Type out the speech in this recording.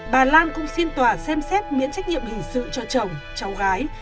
bà lan cũng xin tòa xem xét miễn trách nhiệm hình sự cho chồng cháu gái